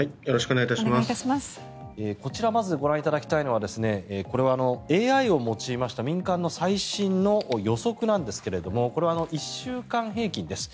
こちらまず、ご覧いただきたいのはこれはＡＩを用いました民間の最新の予測なんですがこれは１週間平均です。